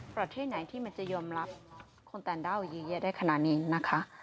ประเทศไหนที่มันจะยอมรับคนต่างด้าวเยอะแยะได้ขนาดนี้นะคะ